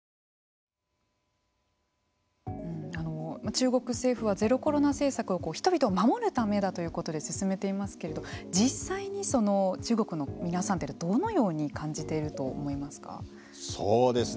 中国政府はゼロコロナ政策は人々を守るためだということで進めていますけれど実際に中国の皆さんはどのように感じていると思いますか。